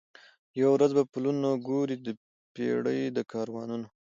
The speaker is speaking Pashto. یوه ورځ به پلونه ګوري د پېړۍ د کاروانونو